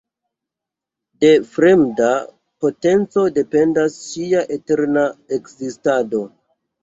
De fremda potenco dependas ŝia eterna ekzistado.